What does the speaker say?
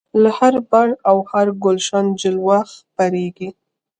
له هر بڼ او هر ګلشن جلوه خپریږي